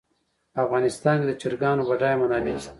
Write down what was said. په افغانستان کې د چرګانو بډایه منابع شته.